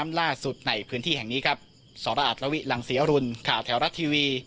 ล่าสุดในพื้นที่แห่งนี้ครับสระอัตลวิหลังศรีอรุณข่าวแถวรัฐทีวี